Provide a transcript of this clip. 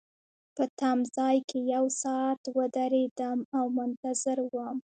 په تمځای کي یو ساعت ودریدم او منتظر وم.